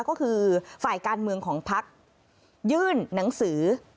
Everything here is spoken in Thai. ก็คือฝ่ายการเมืองของพักยื่นหนังสือ